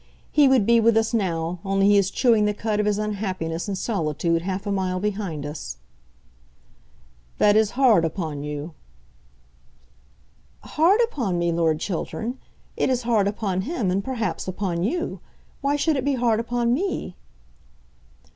He would be with us now, only he is chewing the cud of his unhappiness in solitude half a mile behind us." "That is hard upon you." "Hard upon me, Lord Chiltern! It is hard upon him, and, perhaps, upon you. Why should it be hard upon me?"